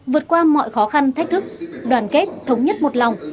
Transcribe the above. vượt qua mọi khó khăn thách thức đoàn kết thống nhất một lòng